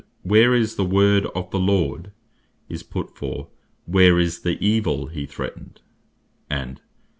"Where is the Word of the Lord," is put for, "Where is the Evill he threatened:" And (Ezek.